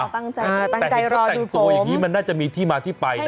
อ๋อตั้งใจรอดูผมแต่ให้เขาแต่งตัวอย่างนี้มันน่าจะมีที่มาที่ไปนะ